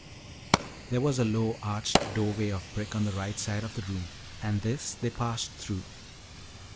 There was a low arched doorway of brick on the right side of the room, and this they passed through.